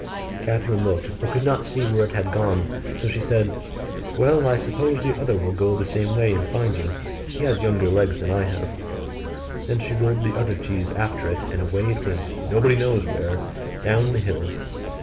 Catherine looked, but could not see where it had gone; so she said, 'Well, I suppose the other will go the same way and find you; he has younger legs than I have.' Then she rolled the other cheese after it; and away it went, nobody knows where, down the hill.